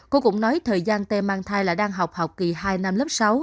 cô cũng nói thời gian tê mang thai là đang học học kỳ hai năm lớp sáu